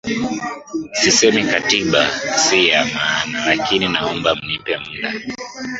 Sisemi katiba si ya maana lakini naomba mnipe muda